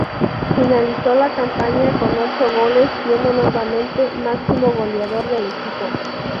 Finalizó la campaña con ocho goles siendo, nuevamente, máximo goleador del equipo.